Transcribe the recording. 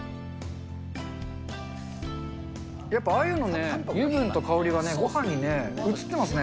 やっぱ、あゆのね、油分と香りがごはんにね、移ってますね。